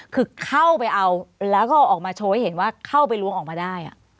คือเข้าไปเอาแล้วก็เอาออกมาโชว์ให้เห็นว่าเข้าไปล้วงออกมาได้